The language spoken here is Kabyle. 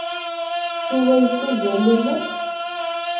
Yuba yettazzal yal ass?